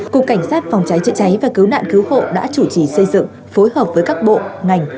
cục cảnh sát phòng cháy chữa cháy và cứu nạn cứu hộ đã chủ trì xây dựng phối hợp với các bộ ngành